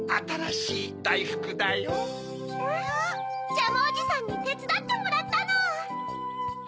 ジャムおじさんにてつだってもらったの！